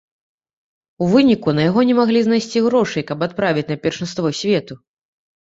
У выніку, на яго не маглі знайсці грошай, каб адправіць на першынство свету.